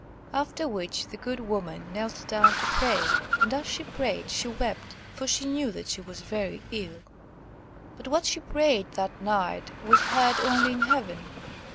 After which the good woman knelt down to pray, and as she prayed she wept, for she knew that she was very ill. But what she prayed that night was heard only in heaven.